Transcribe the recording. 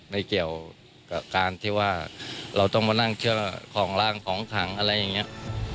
ไม่เกี่ยวกับการที่ว่าเราต้องมานั่งเชื่อของร่างของขังอะไรอย่างนี้